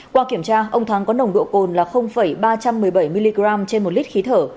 qua kiểm tra ông thắng có nồng độ cồn là ba trăm một mươi bảy mg trên một lít khí thở